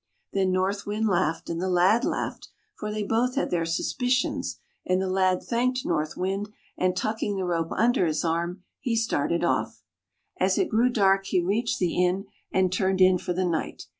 Then North Wind laughed, and the lad laughed — for they both had their suspicions — and the lad thanked North Wind, and tucking the rope under his arm, he started off. As it grew dark, he reached the inn, and turned in for the night.